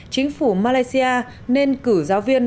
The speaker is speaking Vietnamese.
chính phủ malaysia nên cử giáo viên